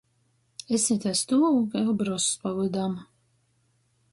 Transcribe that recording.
Es ite stuovu kai obrozs pa vydam.